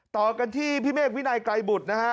ต่อกันที่พี่เมฆวินัยไกรบุตรนะฮะ